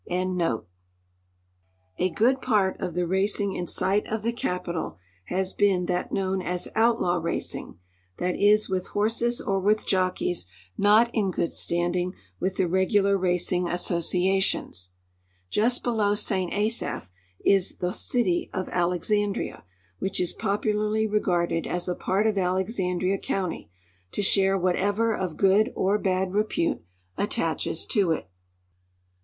IIG "FREE BURGHS" IN THE UNITED STATES 117 of the Capitol has been that known as " outlaAv racing "— that is, with horses or with jockeys not in good standing Avith the regu lar racing associations. Just below St. Asaph is the city of Alex andria, which is })opularly regarded as a part of Alexandria county, to share whatever of good or l)ad repute attaches to it.